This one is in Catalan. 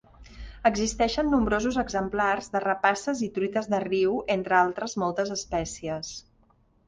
Existeixen nombrosos exemplars de rapaces i truites de riu, entre altres moltes espècies.